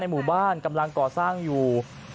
หมู่บ้านกำลังก่อสร้างอยู่